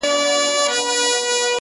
بیا هغه لار ده؛ خو ولاړ راته صنم نه دی؛